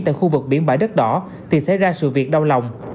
tại khu vực biển bãi đất đỏ thì xảy ra sự việc đau lòng